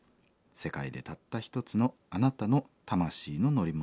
世界でたった一つのあなたの魂の乗り物ですよ。